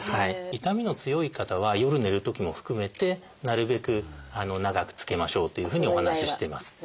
痛みの強い方は夜寝るときも含めてなるべく長く着けましょうというふうにお話ししています。